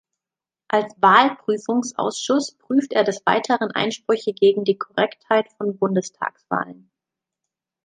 Als Wahlprüfungsausschuss prüft er des Weiteren Einsprüche gegen die Korrektheit von Bundestagswahlen.